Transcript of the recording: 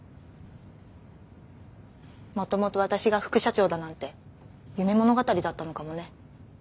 もともと私が副社長だなんて夢物語だったのかもね。